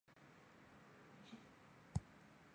而水笙正默默地在雪谷等着他。